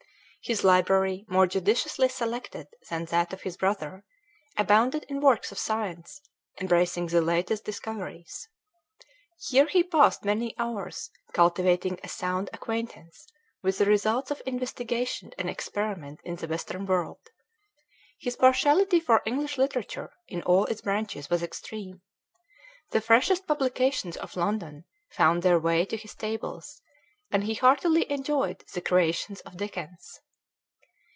His library, more judiciously selected than that of his brother, abounded in works of science, embracing the latest discoveries. Here he passed many hours, cultivating a sound acquaintance with the results of investigation and experiment in the Western world. His partiality for English literature in all its branches was extreme. The freshest publications of London found their way to his tables, and he heartily enjoyed the creations of Dickens.